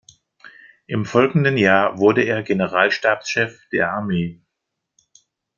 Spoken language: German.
Im folgenden Jahr wurde er Generalstabschef der Armee.